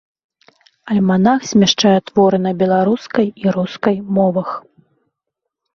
Альманах змяшчае творы на беларускай і рускай мовах.